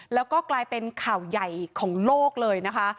แล้วก็กลายเป็นข่าวใหญ่ของโลกเลยนะคะ